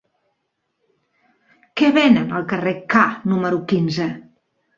Què venen al carrer K número quinze?